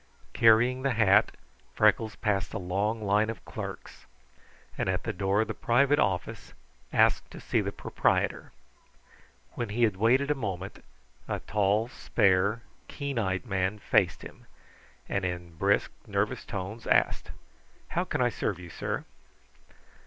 Carrying the hat, Freckles passed a long line of clerks, and at the door of the private office asked to see the proprietor. When he had waited a moment, a tall, spare, keen eyed man faced him, and in brisk, nervous tones asked: "How can I serve you, sir?"